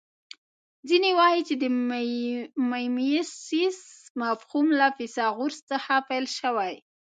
ځینې وايي چې د میمیسیس مفهوم له فیثاغورث څخه پیل شوی